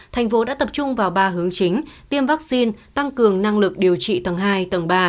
thành phố đã tập trung vào ba hướng chính tiêm vaccine tăng cường năng lực điều trị tầng hai tầng ba